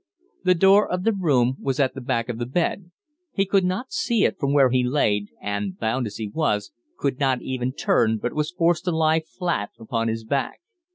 The door of the room was at the back of the bed; he could not see it from where he lay, and, bound as he was, could not even turn, but was forced to lie flat upon his back.